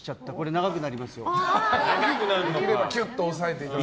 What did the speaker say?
長くなりますよ。